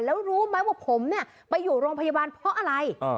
แล้วรู้ไหมว่าผมเนี่ยไปอยู่โรงพยาบาลเพราะอะไร